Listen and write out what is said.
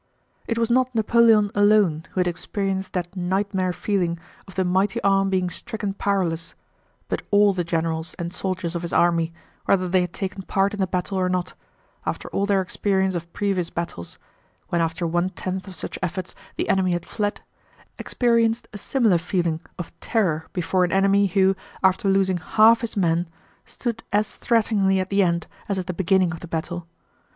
It was not Napoleon alone who had experienced that nightmare feeling of the mighty arm being stricken powerless, but all the generals and soldiers of his army whether they had taken part in the battle or not, after all their experience of previous battles—when after one tenth of such efforts the enemy had fled—experienced a similar feeling of terror before an enemy who, after losing HALF his men, stood as threateningly at the end as at the beginning of the battle.